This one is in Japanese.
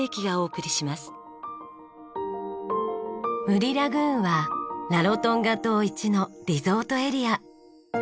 ムリラグーンはラロトンガ島いちのリゾートエリア。